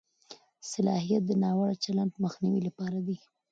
صلاحیت د ناوړه چلند مخنیوي لپاره دی.